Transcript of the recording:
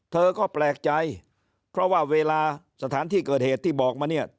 เธอก็แปลกใจเพราะว่าเวลาสถานที่เกิดเหตุที่บอกมาเนี่ย